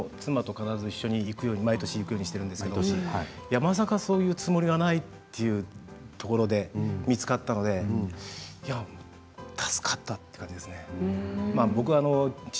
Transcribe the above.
妻と必ず行くようにしているんですけども毎年そういうつもりはないというところで見つかったので助かったという感じですね。